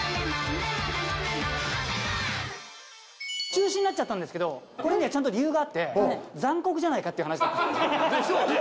中止になっちゃったんですけどこれにはちゃんと理由があって残酷じゃないかっていう話。でしょうね。